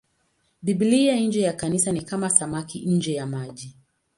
Biblia nje ya Kanisa ni kama samaki nje ya maji.